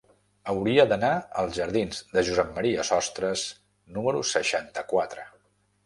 Hauria d'anar als jardins de Josep M. Sostres número seixanta-quatre.